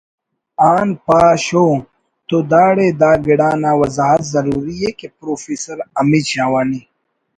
آن پاش ءُ …… تو داڑے دا گڑا نا وضاحت ضروریءِ کہ پروفیسر حمید شاہوانی